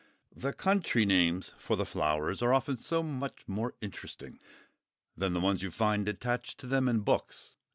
The country names for the flowers are often so much more interesting than the ones you find attached to them in books.